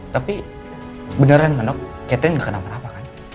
tapi beneran dok catherine gak kenapa kenapa kan